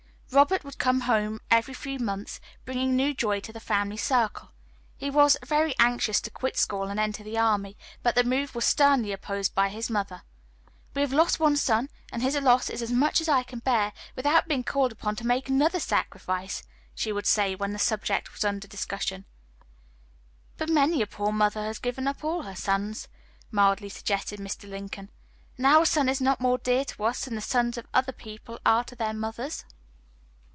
Robert would come home every few months, bringing new joy to the family circle. He was very anxious to quit school and enter the army, but the move was sternly opposed by his mother. "We have lost one son, and his loss is as much as I can bear, without being called upon to make another sacrifice," she would say, when the subject was under discussion. "But many a poor mother has given up all her sons," mildly suggested Mr. Lincoln, "and our son is not more dear to us than the sons of other people are to their mothers."